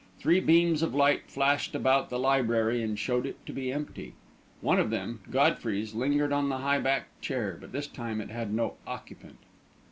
Three beams of light flashed about the library and showed it to be empty. One of them Godfrey's lingered on the high backed chair, but this time it had no occupant.